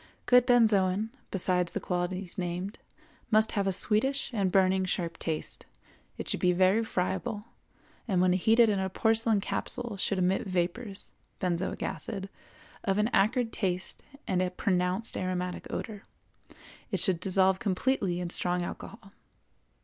Good benzoin, besides the qualities named, must have a sweetish and burning sharp taste, it should be very friable, and when heated in a porcelain capsule should emit vapors (benzoic acid) of an acrid taste and a pronounced aromatic odor; it should dissolve completely in strong alcohol.